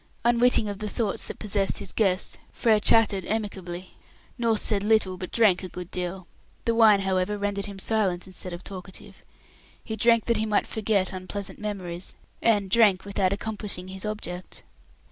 Unwitting of the thoughts that possessed his guest, Frere chatted amicably. North said little, but drank a good deal. The wine, however, rendered him silent, instead of talkative. He drank that he might forget unpleasant memories, and drank without accomplishing his object.